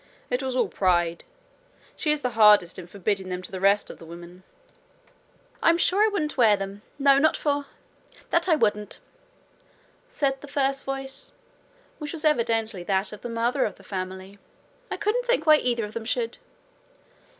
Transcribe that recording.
It was all pride. She is the hardest in forbidding them to the rest of the women.' 'I'm sure I wouldn't wear them no, not for that I wouldn't!' said the first voice, which was evidently that of the mother of the family. 'I can't think why either of them should.'